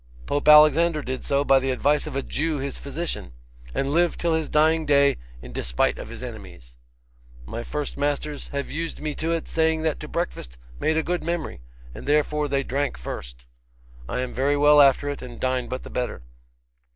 Pope Alexander did so, by the advice of a Jew his physician, and lived till his dying day in despite of his enemies. My first masters have used me to it, saying that to breakfast made a good memory, and therefore they drank first. I am very well after it, and dine but the better.